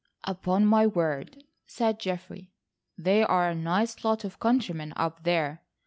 "Upon my word," said Geoffrey, "they are a nice lot of countrymen up there.